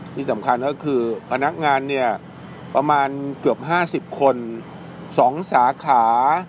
ที่สำคัญก็คือพนักงานเนี่ยประมาณเกือบ๕๐คน๒สาขา